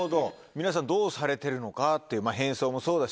皆さんどうされてるのかっていうまぁ変装もそうだし。